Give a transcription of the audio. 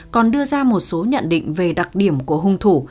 còn đưa ra một số nhận định về đặc điểm của hung thủ